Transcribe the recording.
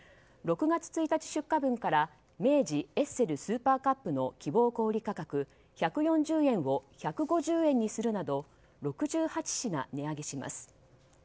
６月１日出荷分から明治エッセルスーパーカップの希望小売価格１４０円を１５０円にするなど６８品値上げします。